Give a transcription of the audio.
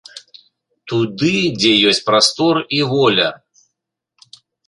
Туды, дзе ёсць прастор і воля!